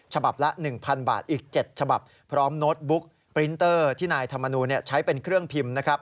ฉบับละ๑๐๐บาทอีก๗ฉบับพร้อมโน้ตบุ๊กปรินเตอร์ที่นายธรรมนูลใช้เป็นเครื่องพิมพ์นะครับ